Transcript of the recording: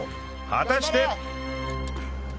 果たして！？